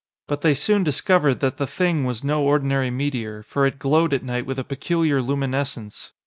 But they soon discovered that the Thing was no ordinary meteor, for it glowed at night with a peculiar luminescence.